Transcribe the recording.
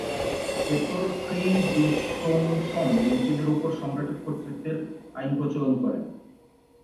এরপর খ্রি-দুস-স্রোং-ব্ত্সন মন্ত্রীদের ওপর সম্রাটের কর্তৃত্বের আইন প্রচলন করেন।